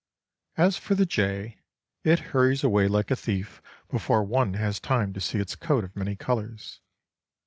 As for the jay, it hurries away like a thief before one has time to see its coat of many colours.